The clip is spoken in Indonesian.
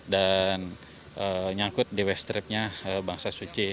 dan nyangkut di west strip nya bangsa suci